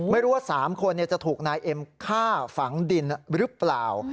ไม่รู้ว่า๓คนจะถูกนายเอ็มฆ่าฝังดินหรือเปล่า